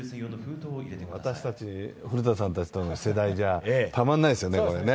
私たち、古田さんたちの世代じゃ、たまらないですよね。